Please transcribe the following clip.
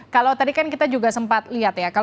kalau tadi kan kita juga sempat lihat ya